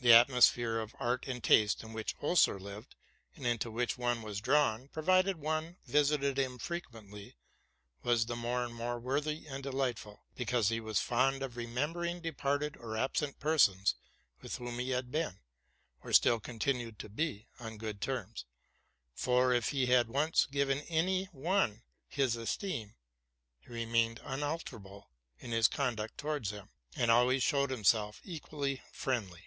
The atmosphere of art and taste in which Oeser lived, and into which one was drawn, provided one visited him fre quently, was the more and more worthy and delightful, because he was fond of remembering departed or absent per sons, with whom he had been, or still continued to be, on good terms ; for, if he had once given any one his esteem, he remained unalterable in his conduct towards him, and always showed himself equally friendly.